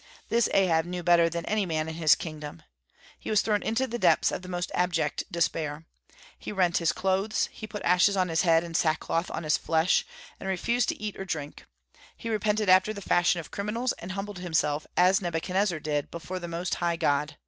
This Ahab knew better than any man in his kingdom. He was thrown into the depths of the most abject despair. He rent his clothes; he put ashes on his head and sackcloth on his flesh, and refused to eat or drink. He repented after the fashion of criminals, and humbled himself, as Nebuchadnezzar did, before the Most High God.